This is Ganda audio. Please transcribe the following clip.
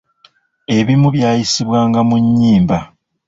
Ebimu byayisibwanga mu nnyimba.